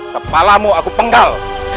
kepalamu aku penggal